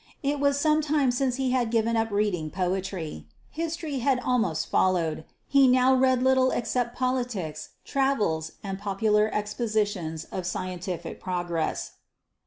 It was some time since he had given up reading poetry. History had almost followed: he now read little except politics, travels, and popular expositions of scientific progress.